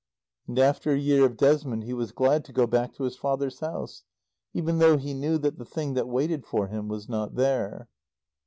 And after a year of Desmond he was glad to go back to his father's house; even though he knew that the thing that waited for him was not there.